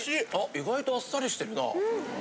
意外とあっさりしてるなうん。